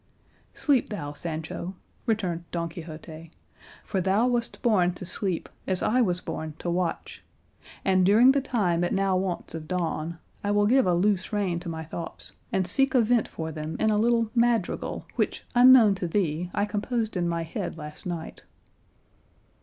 "Sleep thou, Sancho," returned Don Quixote, "for thou wast born to sleep as I was born to watch; and during the time it now wants of dawn I will give a loose rein to my thoughts, and seek a vent for them in a little madrigal which, unknown to thee, I composed in my head last night."